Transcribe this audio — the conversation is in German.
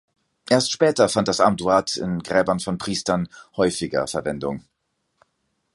Erst später fand das Amduat in Gräbern von Priestern häufiger Verwendung.